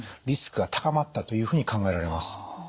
リスクが高まったというふうに考えられます。